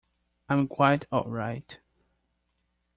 I'm quite all right.